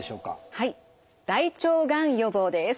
はい大腸がん予防です。